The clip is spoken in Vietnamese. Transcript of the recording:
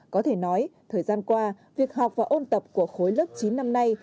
có thể nói thời gian qua việc học và ôn tập của khối lớp chín năm nay